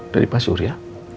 dari pak surya